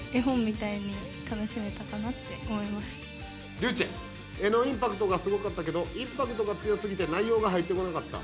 りゅちぇ「絵のインパクトがすごかったけどインパクトが強すぎて内容が入ってこなかった」。